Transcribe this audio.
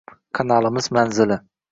Kanalimiz manzili